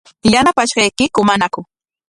¿Yanaqashqaykiku manaku?